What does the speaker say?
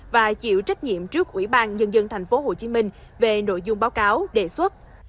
và chịu trách nhiệm trước ủy ban nhân dân tp hcm về nội dung báo cáo đề xuất